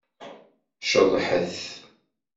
Ceḍḥet!